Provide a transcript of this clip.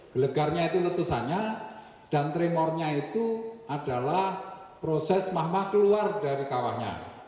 gelegarnya itu letusannya dan tremornya itu adalah proses mahmah keluar dari kawahnya